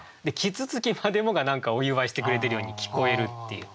啄木鳥までもが何かお祝いしてくれてるように聞こえるっていう。